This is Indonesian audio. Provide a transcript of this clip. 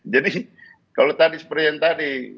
jadi kalau tadi seperti yang tadi